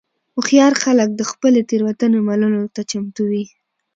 هوښیار خلک د خپلې تېروتنې منلو ته چمتو وي.